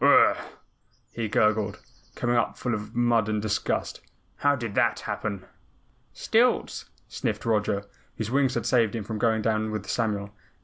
"Ugh gr ugh!" he gurgled, coming up full of mud and disgust. "How did that happen?" "Stilts!" sniffed Roger, whose wings had saved him from going down with Samuel.